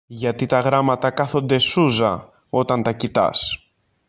Γιατί τα γράμματα κάθονται σούζα όταν τα κοιτάς